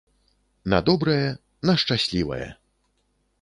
На добрае, на шчаслівае!